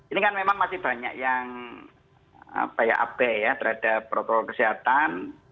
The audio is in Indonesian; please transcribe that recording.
ini kan memang masih banyak yang abe ya terhadap protokol kesehatan